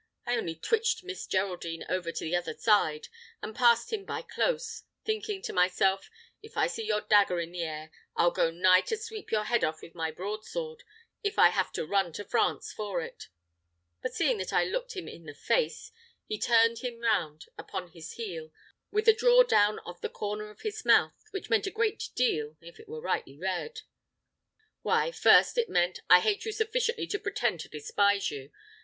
I only twitched Mistress Geraldine over to the other side, and passed him by close; thinking to myself, 'If I see your dagger in the air, I'll go nigh to sweep your head off with my broadsword, if I have to run to France for it;' but seeing that I looked him in the face, he turned him round upon his heel, with a draw down of the corner of his mouth, which meant a great deal if it were rightly read. "Why, first, it meant I hate you sufficiently to pretend to despise you.